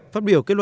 phát biểu kết thúc